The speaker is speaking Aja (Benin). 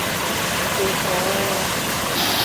Exlonwowo.